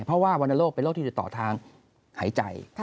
เพราะว่าวรรณโรคเป็นโรคที่จะต่อทางหายใจ